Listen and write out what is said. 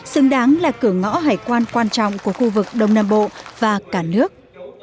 tổng số dự án đầu tư có hiệu lực hoạt động trong khu công nghiệp là một trăm năm mươi chín triệu đồng một người một năm